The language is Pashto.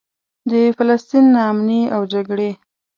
د فلسطین نا امني او جګړې.